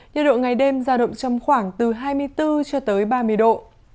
nhiệt độ ngày đêm giao động trong khoảng từ hai mươi bốn cho tới ba mươi độ